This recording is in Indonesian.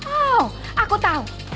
oh aku tahu